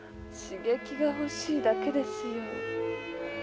刺激が欲しいだけですよ。